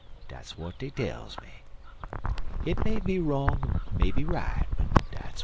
Dat's w'at dey tells me. Hit may be wrong er't maybe right, but dat's w'at I years."